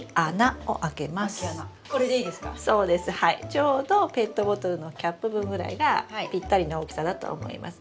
ちょうどペットボトルのキャップ分ぐらいがぴったりの大きさだと思います。